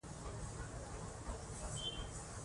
خپلو ځوانانو ته کسبونه وښایئ.